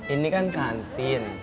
ini kan kantin